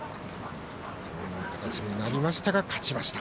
そういう形になりましたが勝ちました。